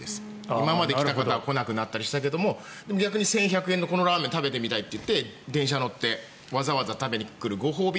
今まで来た方は来なくなったりしたけどでも逆に１１００円のこのラーメンを食べてみたいっていって電車に乗ってわざわざ食べにくるご褒美